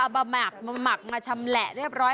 มาหมักมาชำแหละเรียบร้อย